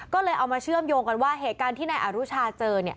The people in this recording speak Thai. ก็เลยเอามาเชื่อมโยงกันว่าเหตุการณ์ที่นายอรุชาเจอเนี่ย